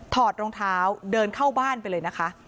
อดรองเท้าเดินเข้าบ้านไปเลยนะคะ